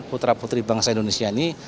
putra putri bangsa indonesia ini